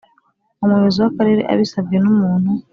Umuyobozi w Akarere abisabwe n umuntu